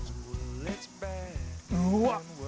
うわっ！